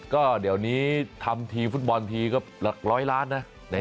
ก็เดี๋ยวนี้ทำทีมฟุตบอลทีก็หลักร้อยล้านนะ